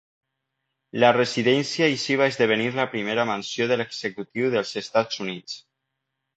La residència així va esdevenir la primera mansió de l'executiu dels Estats Units.